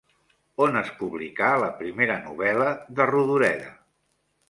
On es publicà la primera novel·la de Rodoreda?